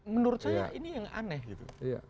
menurut saya ini yang aneh gitu